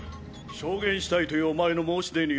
証言したいというお前の申し出により